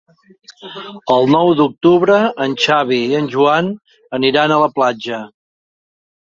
El nou d'octubre en Xavi i en Joan aniran a la platja.